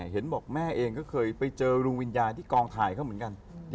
เห็นบอกแม่เองก็เคยไปเจอลุงวิญญาณที่กองถ่ายเขาเหมือนกัน